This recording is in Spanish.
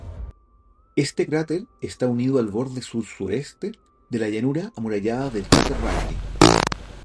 Este cráter está unido al borde sur-sureste de la llanura amurallada del cráter Rayleigh.